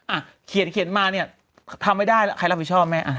อ่ะเขียนมาเนี่ยทำไม่ได้แล้วใครรับผิดชอบแม่อ่ะ